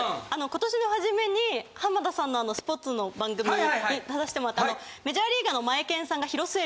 今年の初めに浜田さんのスポーツの番組に出さしてもらってメジャーリーガーの。